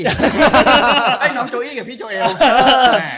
น้องโจอีกับพี่โจเอล